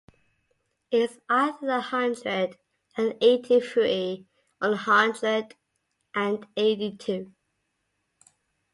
It’s either a hundred and eighty-three or a hundred and eighty-two.